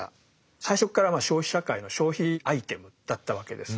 最初っから消費社会の消費アイテムだったわけです。